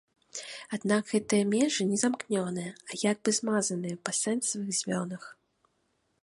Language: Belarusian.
Аднак гэтыя мяжы не замкнёныя, а як бы змазаныя на сэнсавых звёнах.